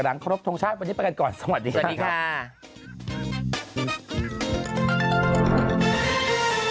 ครบทรงชาติวันนี้ไปกันก่อนสวัสดีครับ